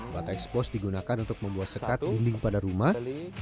bata ekspos digunakan untuk membuat sekat dinding pada rumah